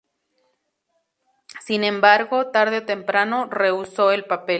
Sin embargo, tarde o temprano, rehusó el papel.